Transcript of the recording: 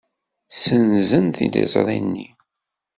Ssenzen tiliẓri-nni.